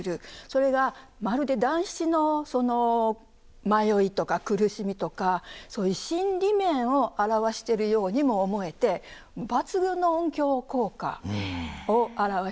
それがまるで団七のその迷いとか苦しみとかそういう心理面を表してるようにも思えて抜群の音響効果を表しますし。